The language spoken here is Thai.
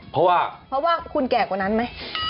เพราะว่าเพราะว่าคุณแก่กว่านั้นไหม